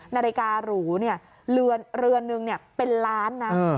นาฬิกาหรูเนี่ยเรือนเรือนหนึ่งเนี่ยเป็นล้านนะเออฮะ